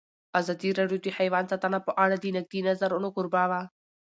ازادي راډیو د حیوان ساتنه په اړه د نقدي نظرونو کوربه وه.